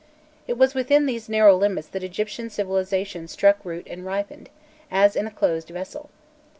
It was within these narrow limits that Egyptian civilization struck root and ripened, as in a closed vessel.